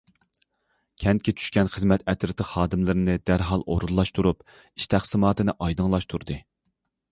كەنتكە چۈشكەن خىزمەت ئەترىتى خادىملىرىنى دەرھال ئورۇنلاشتۇرۇپ، ئىش تەقسىماتىنى ئايدىڭلاشتۇردى.